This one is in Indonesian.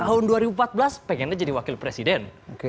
tahun dua ribu empat belas pengennya jadi wakil presiden